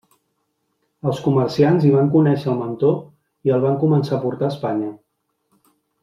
Els comerciants hi van conèixer el mantó i el van començar a portar a Espanya.